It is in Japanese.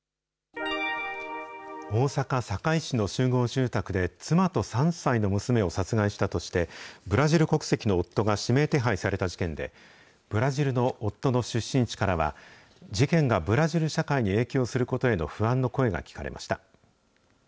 大阪・堺市の集合住宅で妻と３歳の娘を殺害したとして、ブラジル国籍の夫が指名手配された事件で、ブラジルの夫の出身地からは、事件がブラジル社会に影響することへの不安の声が聞かれました。